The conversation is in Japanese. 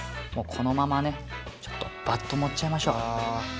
もうこのままねちょっとバッと盛っちゃいましょう。